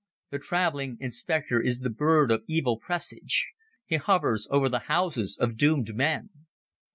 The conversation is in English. The traveling inspector is the bird of evil presage: he hovers over the houses of doomed men.